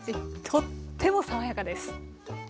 とっても爽やかです。